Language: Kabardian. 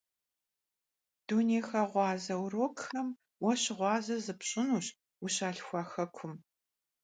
Dunêyxeğuaze vurokxem vue şığuaze zışıpş'ınuş vuşalhxua xekum.